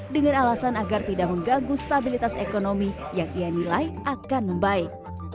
dengan alasan agar tidak mengganggu stabilitas ekonomi yang ia nilai akan membaik